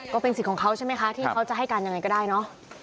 ก็เป็นสิ่งของเขาใช่ไหมคะที่เขาจะให้กันอย่างไรก็ได้นะ